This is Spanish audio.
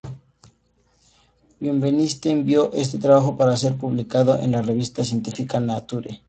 Benveniste envió este trabajo para ser publicado en la revista científica "Nature".